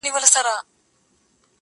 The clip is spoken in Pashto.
دا روغن په ټول دوکان کي قیمتې وه.!